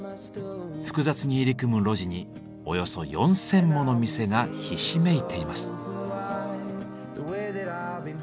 複雑に入り組む路地におよそ４，０００もの店がひしめいています。